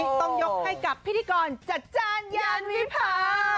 ต้องยกให้กับพิธีกรจัดจ้านยานวิพา